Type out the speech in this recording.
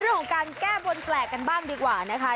เรื่องของการแก้บนแปลกกันบ้างดีกว่านะคะ